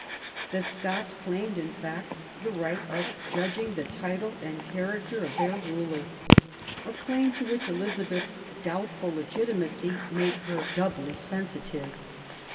The Scots claimed, in fact, the right of judging the title and character of their ruler — a claim to which Elizabeth's doubtful legitimacy made her doubly sensitive.